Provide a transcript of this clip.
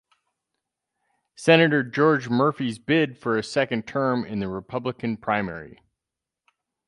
Senator George Murphy's bid for a second term in the Republican primary.